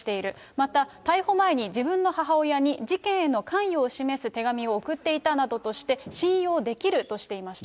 また逮捕前に自分の母親に、事件への関与を示す手紙を送っていたなどとして、信用できるとしていました。